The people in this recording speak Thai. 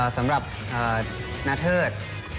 สำหรับณเทศ